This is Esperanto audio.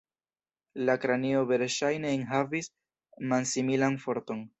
La kranio verŝajne enhavis man-similan forton.